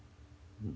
うん。